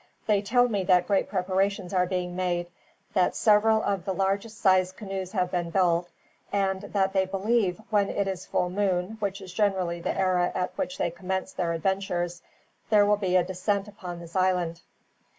They tell me that great preparations are being made, that several of the largest sized canoes have been built, and that they believe, when it is full moon, which is generally the era at which they commence their adventures, there will be a descent upon this island."